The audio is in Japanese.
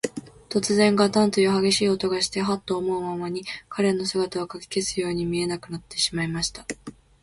とつぜん、ガタンというはげしい音がして、ハッと思うまに、彼の姿は、かき消すように見えなくなってしまいました。